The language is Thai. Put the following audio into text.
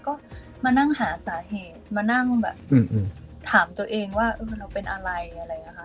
ก็มานั่งหาสาเหตุมานั่งแบบอืมอืมถามตัวเองว่าเออเราเป็นอะไรอะไรนะคะ